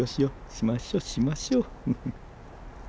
しましょしましょ。